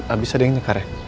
abis ada yang nyekar ya